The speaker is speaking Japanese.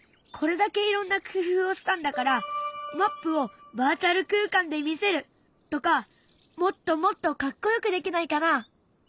これだけいろんな工夫をしたんだからマップをバーチャル空間で見せるとかもっともっとかっこよくできないかな？